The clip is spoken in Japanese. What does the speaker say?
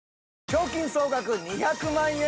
賞金総額２００万円。